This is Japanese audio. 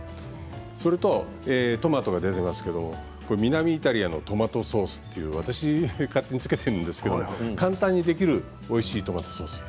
それとトマトが出ていますが南イタリアのトマトソースと私が勝手に付けているんですけど簡単にできるおいしいトマトソースです。